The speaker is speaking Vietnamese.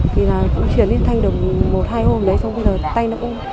thì là cũng chuyển huyết thanh được một hai hôm đấy xong rồi tay nó cũng